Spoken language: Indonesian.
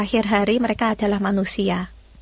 akhir hari mereka adalah manusia